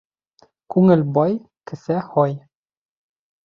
Күңел бай, кеҫә һай.